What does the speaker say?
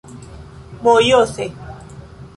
mojose